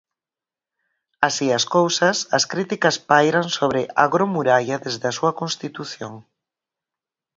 Así as cousas, as críticas pairan sobre Agromuralla desde a súa constitución.